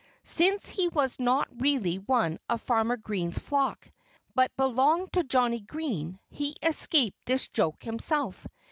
Since he was not really one of Farmer Green's flock, but belonged to Johnnie Green, he escaped this joke himself.